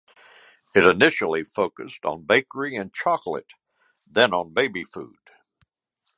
It initially focussed on bakery and chocolate, then on baby food.